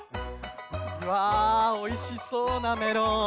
うわおいしそうなメロン。